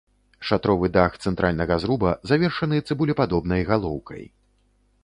Шатровы дах цэнтральнага зруба завершаны цыбулепадобнай галоўкай.